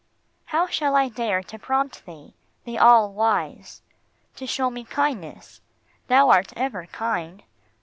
How shall I dare to prompt thee, the All wise, To show me kindness ? Thou art ever kind.